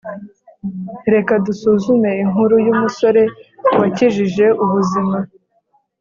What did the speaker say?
Reka dusuzume inkuru y’umusore wakijije ubuzima